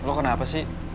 lo kenapa sih